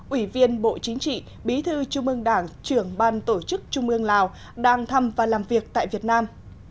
ủy viên bộ chính trị bí thư trung ương đảng trưởng ban tổ chức trung ương lào đang thăm và làm việc tại việt nam